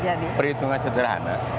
memang ini perhitungan sederhana